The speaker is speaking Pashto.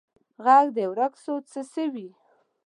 ږغ دي ورک سو څه سوي